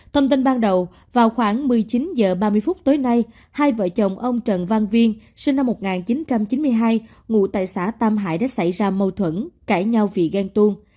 thông tin ban đầu vào khoảng một mươi chín h ba mươi phút tối nay hai vợ chồng ông trần văn viên sinh năm một nghìn chín trăm chín mươi hai ngụ tại xã tam hải đã xảy ra mâu thuẫn cãi nhau vì ghen tuôn